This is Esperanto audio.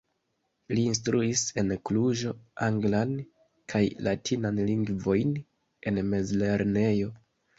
Li instruis en Kluĵo anglan kaj latinan lingvojn en mezlernejo.